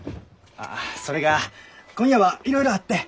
ああそれが今夜はいろいろあって。